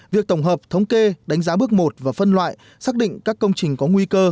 việc tổng hợp thống kê đánh giá bước một và phân loại xác định các công trình có nguy cơ